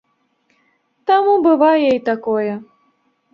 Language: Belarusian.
Таму бывае і такое.